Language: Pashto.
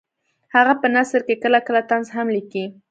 هغه په نثر کې کله کله طنز هم لیکي